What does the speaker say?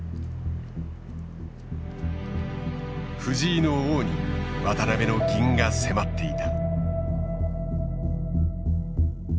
藤井の王に渡辺の銀が迫っていた。